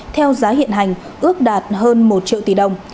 theo giá hiện hành ước đạt hơn một triệu tỷ đồng